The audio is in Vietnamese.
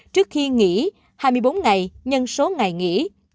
trước khi nghỉ hai mươi bốn ngày nhân số ngày nghỉ